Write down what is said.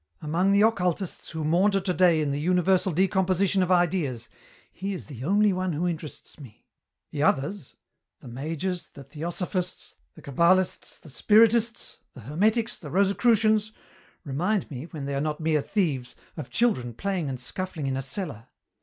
Among the occultists who maunder today in the universal decomposition of ideas he is the only one who interests me. "The others, the mages, the theosophists, the cabalists, the spiritists, the hermetics, the Rosicrucians, remind me, when they are not mere thieves, of children playing and scuffling in a cellar.